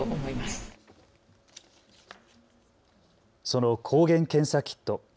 その抗原検査キット。